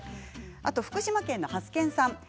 あとは福島県の方です。